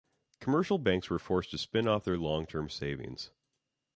Commercial banks were forced to spin off their long-term savings.